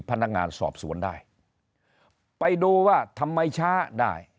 พนักงานสอบสวนได้ไปดูว่าทำไมช้าได้